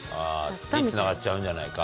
つながっちゃうんじゃないか。